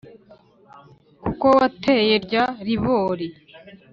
Kuko wataye rya ribori